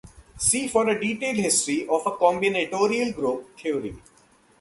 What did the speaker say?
See for a detailed history of combinatorial group theory.